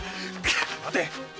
待て！